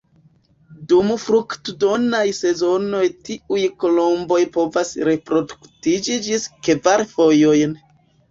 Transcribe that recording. Dum fruktodonaj sezonoj tiuj kolomboj povas reproduktiĝi ĝis kvar fojojn.